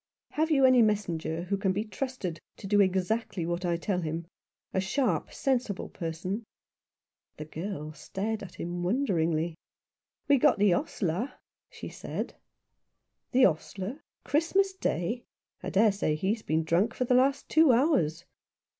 Have you any messenger who can be trusted to do exactly what I tell him — a sharp, sensible person ?" The girl stared at him wonderingly. "We've got the ostler," she said. " The ostler ? Christmas Day ? I dare say he's been drunk for the last two hours."